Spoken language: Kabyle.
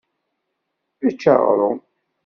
Ečč aɣrum.